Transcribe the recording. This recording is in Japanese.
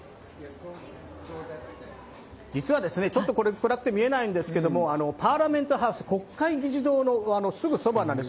実は暗くて見えないんですがパーラメントハウス、国会議事堂のすぐそばなんです。